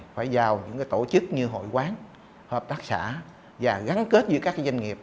phải vào những tổ chức như hội quán hợp tác xã và gắn kết với các doanh nghiệp